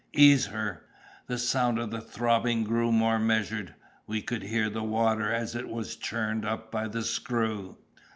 "Ease her!" The sound of the throbbing grew more measured. We could hear the water as it was churned up by the screw.